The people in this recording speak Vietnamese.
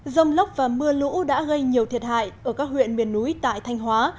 dông lóc và mưa lũ đã gây nhiều thiệt hại ở các huyện miền núi tại thanh hóa